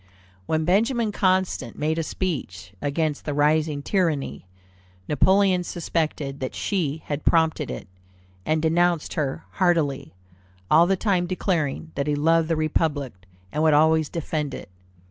When Benjamin Constant made a speech against the "rising tyranny," Napoleon suspected that she had prompted it, and denounced her heartily, all the time declaring that he loved the Republic, and would always defend it!